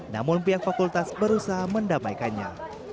namun pihak fakultas berusaha mendamaikannya